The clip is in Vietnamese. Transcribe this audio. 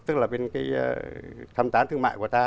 tức là thăm tán thương mại của ta